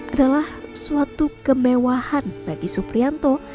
adalah suatu kemewahan bagi suprianto